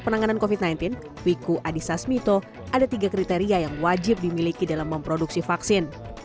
penanganan covid sembilan belas wiku adhisa smito ada tiga kriteria yang wajib dimiliki dalam memproduksi vaksin